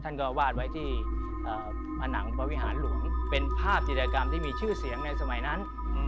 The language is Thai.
ท่านก็วาดไว้ที่ผนังประวิหารหลวงเป็นภาพจิตรกรรมที่มีชื่อเสียงในสมัยนั้น